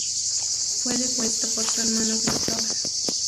Fue depuesto por su hermano Cristóbal.